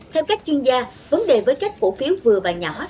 theo các chuyên gia vấn đề với các cổ phiếu vừa và nhỏ